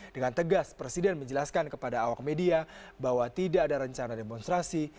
dengan tegas presiden menjelaskan kepada awak media bahwa tidak ada rencana demonstrasi